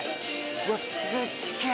うわすっげえ。